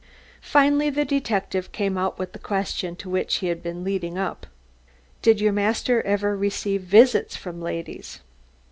Finally the detective came out with the question to which he had been leading up. "Did your master ever receive visits from ladies?"